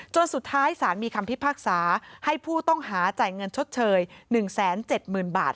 สุดท้ายสารมีคำพิพากษาให้ผู้ต้องหาจ่ายเงินชดเชย๑๗๐๐๐บาท